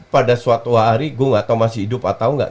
pada suatu hari gue gak tau masih hidup atau gak